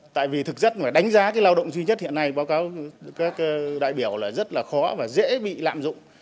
tại vì thực chất mà đánh giá cái lao động duy nhất hiện nay báo cáo các đại biểu là rất là khó và dễ bị lạm dụng